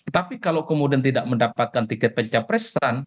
tapi kalau kemudian tidak mendapatkan tiket pencapresan